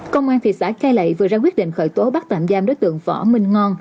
công an thị xã cai lậy vừa ra quyết định khởi tố bắt tạm giam đối tượng võ minh ngon